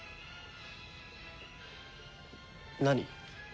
何？